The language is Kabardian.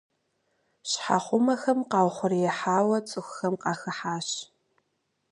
Щхьэхъумэхэм къаухъуреихьауэ цӏыхухэм къахыхьащ.